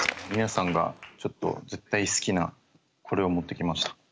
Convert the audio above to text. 皆さんがちょっと絶対好きなこれを持ってきました。